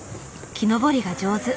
木登りが上手。